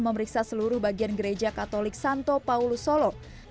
memeriksa seluruh bagian gereja katolik santo paulus solo